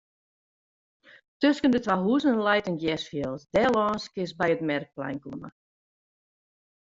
Tusken de twa huzen leit in gersfjild; dêrlâns kinst by it merkplein komme.